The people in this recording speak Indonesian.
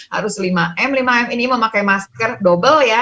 harus lima m lima m ini memakai masker double ya